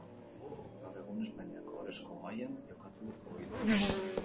Gaur egun Espainiako Ohorezko mailan jokatu ohi du.